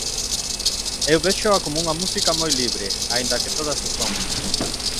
Eu véxoa como unha música moi libre, aínda que todas o son.